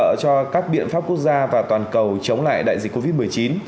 hỗ trợ cho các biện pháp quốc gia và toàn cầu chống lại đại dịch covid một mươi chín